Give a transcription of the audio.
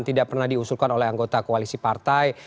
tidak pernah diusulkan oleh anggota koalisi partai